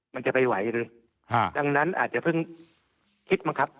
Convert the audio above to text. มันจะไปไหวหรือดังนั้นอาจจะเพิ่งคิดบ้างครับ